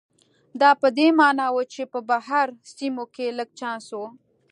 دا په دې معنا و چې په بهر سیمو کې لږ چانس و.